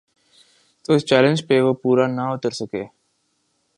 تو اس چیلنج پہ وہ پورا نہ اتر سکے۔